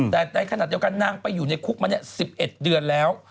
แต่ในขณะเดียวกันนางไปอยู่ในคุกมา๑๑เดือนแล้ว